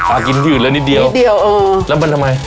กินที่อื่นเลยนิดเดียวนิดเดียวเออแล้วมันทำไม